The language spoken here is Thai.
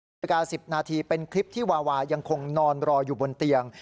๑นาฬิกา๑๐นาทีเป็นคลิปที่วาวายังคงนอนรออยู่บนเตียง